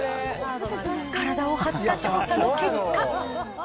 体を張った調査の結果。